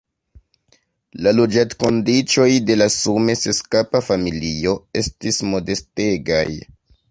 La loĝadkondiĉoj de la sume seskapa familio estis modestegaj.